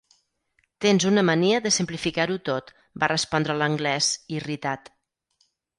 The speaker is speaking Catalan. "Tens una mania de simplificar-ho tot", va respondre l'anglès, irritat.